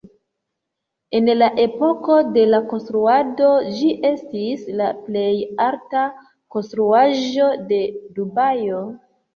En la epoko de la konstruado, ĝi estis la plej alta konstruaĵo de Dubajo.